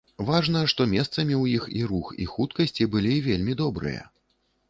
Важна, што месцамі ў іх і рух, і хуткасці былі вельмі добрыя.